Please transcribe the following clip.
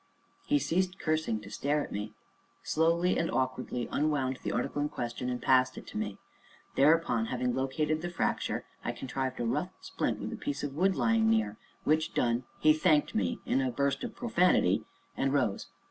He ceased cursing to stare at me, slowly and awkwardly unwound the article in question, and passed it to me. Thereupon, having located the fracture, I contrived a rough splint with a piece of wood lying near; which done, he thanked me, in a burst of profanity, and rose.